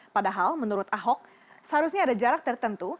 padahal menurut ahok seharusnya ada jarak tertentu